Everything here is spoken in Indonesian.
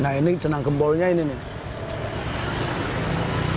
nah ini jenang gembolnya ini nih